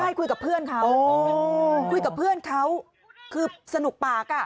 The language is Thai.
ใช่คุยกับเพื่อนเขาคุยกับเพื่อนเขาคือสนุกปากอ่ะ